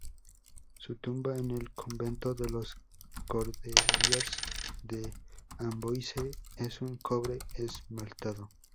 Su tumba en el convento de los Cordeliers de Amboise es en cobre esmaltado.